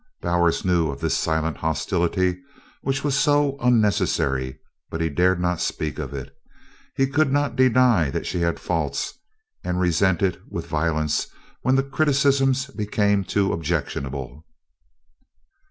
Bowers knew of this silent hostility, which was so unnecessary, but he dared not speak of it. He could only deny that she had faults and resent it with violence when the criticisms become too objectionable.